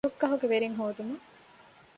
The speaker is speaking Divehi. ރުއްގަހުގެ ވެރިން ހޯދުމަށް